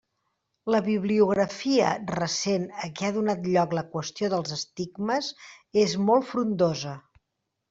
La bibliografia recent a què ha donat lloc la qüestió dels estigmes és molt frondosa.